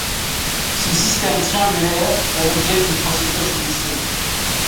Ce système triangulaire fait l'objet d'une procédure judiciaire.